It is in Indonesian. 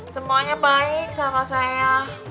semuanya baik sama saya